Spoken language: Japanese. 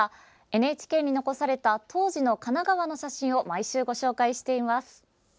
ＮＨＫに残された当時の神奈川の写真を毎週ご紹介しています。